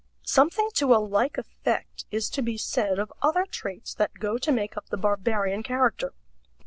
Something to a like effect is to be said of other traits that go to make up the barbarian character.